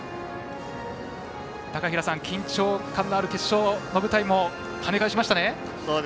高平さん、緊張感のある決勝の舞台も跳ね返しましたね。